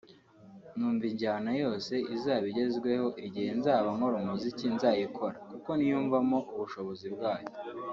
numva injyana yose izaba igezweho igihe nzaba nkora umuziki nzayikora kuko niyumvamo ubushobozi bwayo